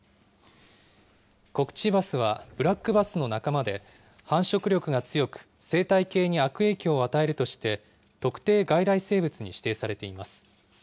コクチバスは、ブラックバスの仲間で、繁殖力が強く、生態系に悪影響を与えるとして、特定外来生物に指定されています。